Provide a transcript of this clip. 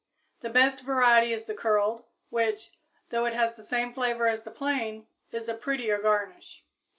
The best variety is the Curled, which, though it has the same flavor as the plain, is a prettier garnish.